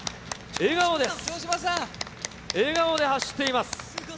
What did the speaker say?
笑顔で走っています。